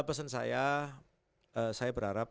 pesen saya saya berharap